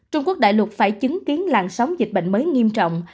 trung quốc đại lục phải chứng kiến làn sóng dịch bệnh mới nghiêm trọng